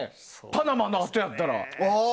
パナマのあとやったら。